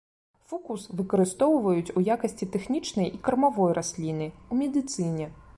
Фукус выкарыстоўваюць у якасці тэхнічнай і кармавой расліны, у медыцыне.